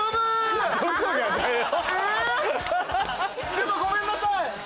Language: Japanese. でもごめんなさい。